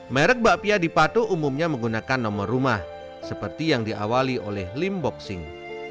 merek bakpia di patok umumnya menggunakan nomor rumah seperti yang diawali oleh limboxing